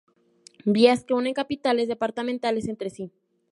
Vías que unen capitales departamentales entre sí.